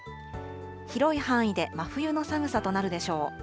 広い範囲で真冬の寒さとなるでしょう。